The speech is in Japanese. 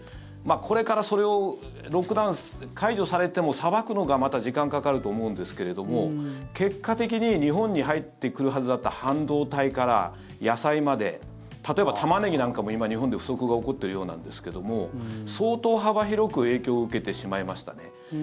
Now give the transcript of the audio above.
これからそれをロックダウン解除されてもさばくのがまた時間かかると思うんですけれども結果的に日本に入ってくるはずだった半導体から野菜まで例えばタマネギなんかも今、日本で不足が起こってるようなんですけども相当幅広く影響を受けてしまいましたね。